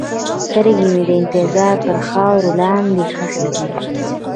سترګې مې د انتظار تر خاورو لاندې ښخې دي.